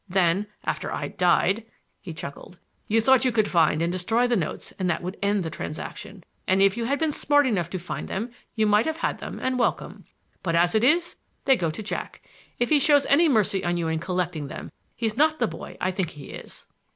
Then, after I died"—he chuckled—"you thought you'd find and destroy the notes and that would end the transaction; and if you had been smart enough to find them you might have had them and welcome. But as it is, they go to Jack. If he shows any mercy on you in collecting them he's not the boy I think he is."